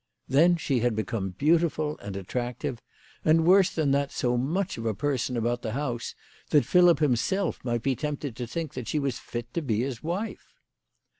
Then she had become beautiful and attractive, and worse than that, so much of a person about the house that Philip himself might be tempted to think that she was fit to be his wife